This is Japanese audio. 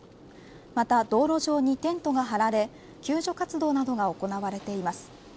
また、道路上にテントが張られ救助活動などが行われています。